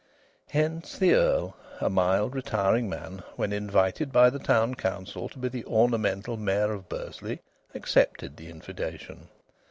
Hence the Earl, a mild, retiring man, when invited by the Town Council to be the ornamental Mayor of Bursley, accepted the invitation.